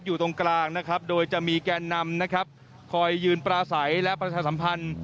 อยู่ตรงกลางนะครับโดยจะมีแกนนำนะครับคอยยืนปราศัยและประชาสัมพันธ์